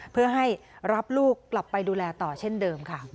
เพื่อให้รับลูกกลับไปดูแลต่อเช่นเดิมค่ะ